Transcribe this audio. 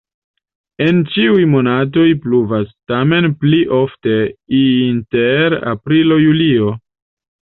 En ĉiuj monatoj pluvas, tamen pli ofte inter aprilo-julio.